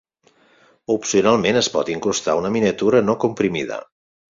Opcionalment es pot incrustar una miniatura no comprimida.